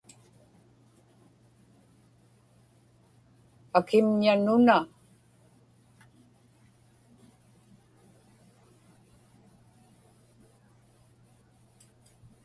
akimña nuna